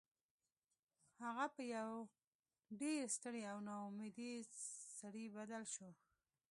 هغه په یو ډیر ستړي او ناامیده سړي بدل شو